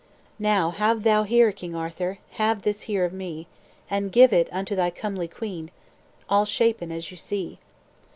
"'Now have thou here, King Arthur, Have this here of me, And give unto thy comely queen, All shapen as you see.